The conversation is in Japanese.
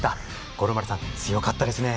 五郎丸さん、強かったですね。